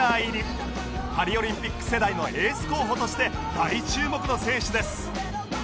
パリオリンピック世代のエース候補として大注目の選手です！